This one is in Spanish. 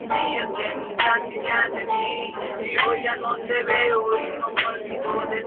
Se ubica al norte del lago de Izabal, en el departamento de Izabal.